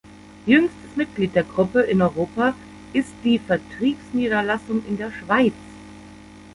Jüngstes Mitglied der Gruppe in Europa ist die Vertriebsniederlassung in der Schweiz.